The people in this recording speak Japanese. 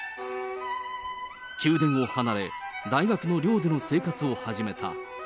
宮殿を離れ、大学の寮での生活を始めた。